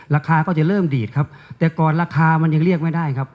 ราคาก็จะเริ่มดีดครับแต่ก่อนราคามันยังเรียกไม่ได้ครับ